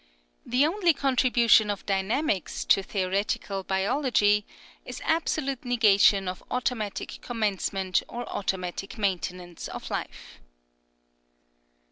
The only contribution of dynamics to theoretical, biology is absolute negation of automatic commence ment or automatic maintenance of life.